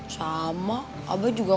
sama abah juga